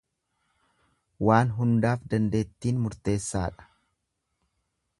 Waan hundaaf dandeettiin murteessaadha.